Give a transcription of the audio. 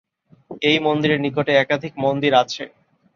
এই মন্দিরের নিকটে একাধিক মন্দির আছে।